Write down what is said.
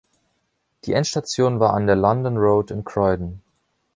Die Endstation war an der London Road in Croydon.